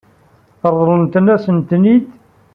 Ṛeḍlent-asent-ten-id?